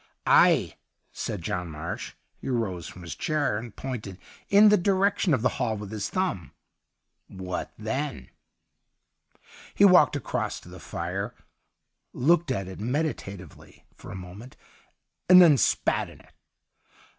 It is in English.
' Ay/ said John Marsh. He rose from his chair, and pointed in the direction of the Hall with his thumb. ' What then }' He walked across to the fire, looked at it meditatively for a moment, and then spat in it.